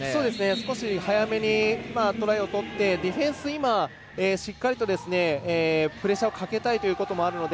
少し早めにトライを取ってディフェンス、今しっかりとプレッシャーをかけたいということもあるので。